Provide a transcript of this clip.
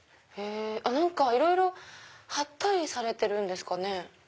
何かいろいろ貼ったりされてるんですかね？